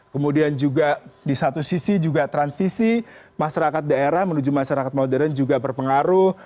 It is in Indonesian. kemudian juga di satu sisi juga transisi masyarakat daerah menuju masyarakat modern juga berpengaruh